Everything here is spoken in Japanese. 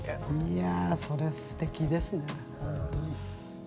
いやそれすてきですね。